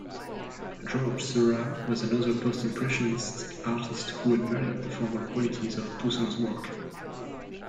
Georges Seurat was another Post-Impressionist artist who admired the formal qualities of Poussin's work.